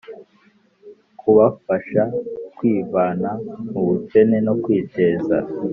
kubafasha kwivana mu bukene no kwiteza